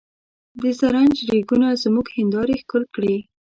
د زرنج ریګونو زموږ هندارې ښکل کړې.